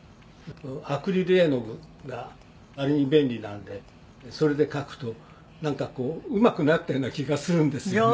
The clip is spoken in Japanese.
アクリル絵の具が割に便利なんでそれで描くとなんかこううまくなったような気がするんですよね」